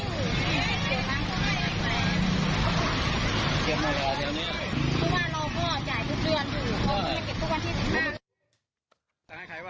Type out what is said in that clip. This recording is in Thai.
คำว่าเราพ่ออาจจะอยู่เดือนอยู่เขามาเก็บทุกวันที่๑๕